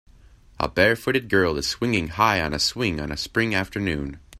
A barefooted girl is swinging high on a swing on a spring afternoon.